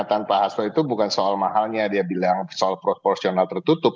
tanpa hasto itu bukan soal mahalnya dia bilang soal proporsional tertutup